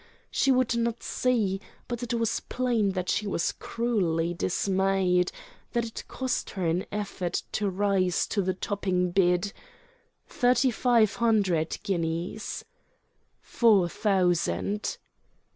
She would not see, but it was plain that she was cruelly dismayed, that it cost her an effort to rise to the topping bid: "Thirty five hundred guineas!" "Four thousand!"